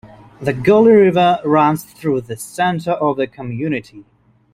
The Gauley River runs through the center of the community.